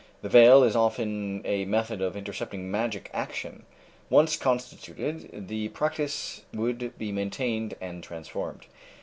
The veil is often a method of intercepting magic action. Once constituted, the practice would be maintained and transformed."